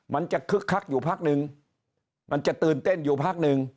คึกคักอยู่พักนึงมันจะตื่นเต้นอยู่พักหนึ่ง